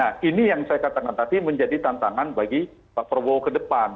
nah ini yang saya katakan tadi menjadi tantangan bagi pak prabowo ke depan